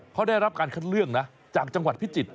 เขาได้รับการคัดเลือกนะจากจังหวัดพิจิตร